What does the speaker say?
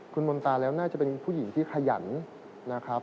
คุณมนตาแล้วน่าจะเป็นผู้หญิงที่ขยันนะครับ